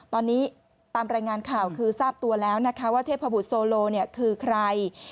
ตอนนี้ตามรายงานข่าวคือทราบตัวแล้วนะคะว่าเทพบุตรโซโลคือใคร